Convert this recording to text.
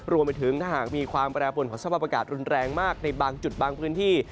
รวมไปถึงถ้าหากมีความแปรปวนของสภาพอากาศรุนแรงมากในบางจุดบางพื้นที่